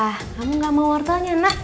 ah kamu gak mau wortelnya nak